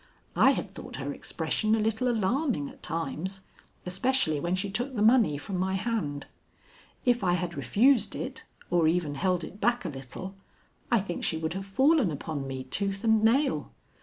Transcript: I had thought her expression a little alarming at times, especially when she took the money from my hand. If I had refused it or even held it back a little, I think she would have fallen upon me tooth and nail.